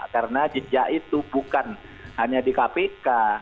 karena jejak itu bukan hanya di kpk